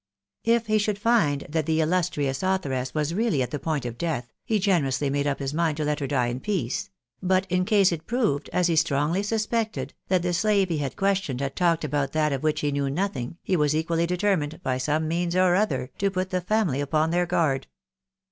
If he should find that the illustrious authoress was really at the point of death, he generously made up his mind to let her die in peace ; but in case it proved, as he strongly suspected, that the slave he had questioned had talked about that of which he knew nothing, he was equally determined, by some means or other, to put the fanuly upon their guard.